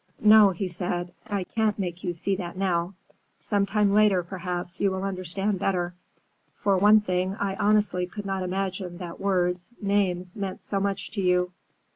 "No," he said, "I can't make you see that now. Some time later, perhaps, you will understand better. For one thing, I honestly could not imagine that words, names, meant so much to you."